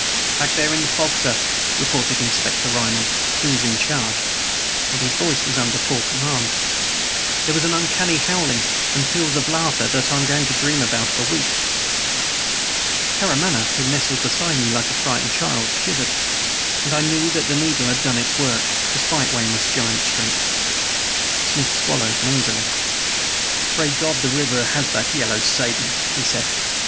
"Back there in the fog, sir," reported Inspector Ryman, who was in charge, and his voice was under poor command, "there was an uncanny howling, and peals of laughter that I'm going to dream about for weeks " Karamaneh, who nestled beside me like a frightened child, shivered; and I knew that the needle had done its work, despite Weymouth's giant strength. Smith swallowed noisily. "Pray God the river has that yellow Satan," he said.